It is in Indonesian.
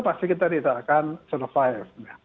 pasti kita tidak akan survive